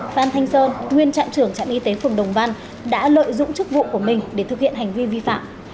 phan thanh sơn nguyên trạm trưởng trạm y tế phường đồng văn đã lợi dụng chức vụ của mình để thực hiện hành vi vi phạm